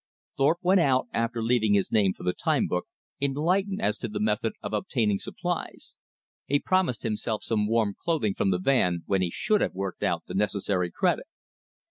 Thorpe went out, after leaving his name for the time book, enlightened as to the method of obtaining supplies. He promised himself some warm clothing from the van, when he should have worked out the necessary credit.